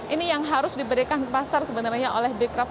ini yang harus diberikan pasar sebenarnya oleh bekraf